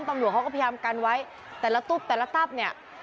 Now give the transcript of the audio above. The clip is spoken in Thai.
ตำรวจเขาก็พยายามกันไว้แต่ละตุ๊บแต่ละตับเนี่ย